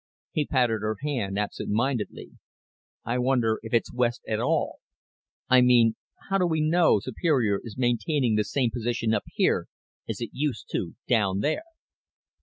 He patted her hand absent mindedly. "I wonder if it's west at all. I mean, how do we know Superior is maintaining the same position up here as it used to down there?"